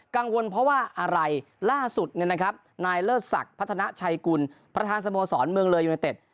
กังวลเพราะว่าอะไรล่าสุดนายเลิศศักดิ์พัฒนาชัยกุลประธานสโมสรเมืองเลยยูเนเต็ด